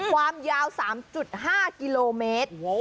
ความยาว๓๕กิโลเมตร